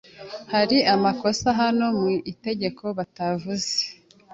Hari amakosa hano mu itegeko batavuze